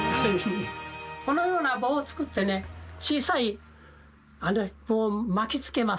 このような棒を作ってね小さい棒を巻きつけます。